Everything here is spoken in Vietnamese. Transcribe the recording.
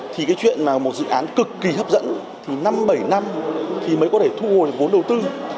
thì cái chuyện mà một dự án cực kỳ hấp dẫn thì năm bảy năm thì mới có thể thu hồi vốn đầu tư